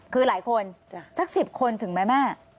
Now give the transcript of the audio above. คือหลายคนสัก๑๐คนถึงไหมแม่